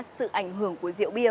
sự ảnh hưởng của rượu bia